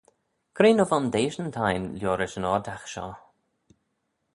Cre ny vondeishyn t'ain liorish yn oardagh shoh?